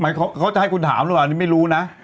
เขาจะให้คุณถามหรือเปล่าอันนี้ไม่รู้นะ